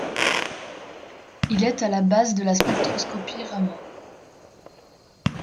Il est à la base de la spectroscopie Raman.